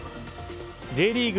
Ｊリーグ